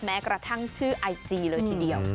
แม้กระทั่งชื่อไอจีเลยทีเดียว